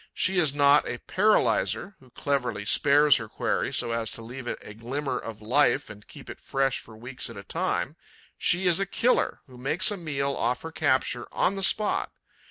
She is not a 'paralyzer,' who cleverly spares her quarry so as to leave it a glimmer of life and keep it fresh for weeks at a time; she is a killer, who makes a meal off her capture on the spot.